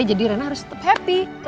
jadi rena harus tetap happy ke adik adek